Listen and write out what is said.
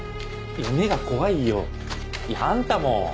いや目が怖いよあんたも！